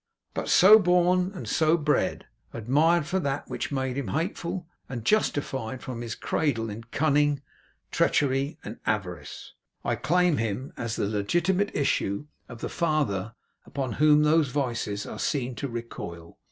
But, so born and so bred, admired for that which made him hateful, and justified from his cradle in cunning, treachery, and avarice; I claim him as the legitimate issue of the father upon whom those vices are seen to recoil.